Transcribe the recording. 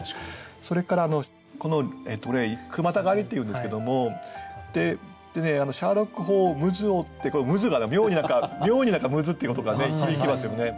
それからこの句またがりっていうんですけども「シャーロック・ホームズを」ってこの「ムズ」が妙に何か「ムズ」っていう音が響きますよね。